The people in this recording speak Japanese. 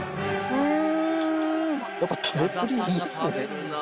うん！